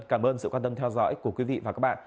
cảm ơn sự quan tâm theo dõi của quý vị và các bạn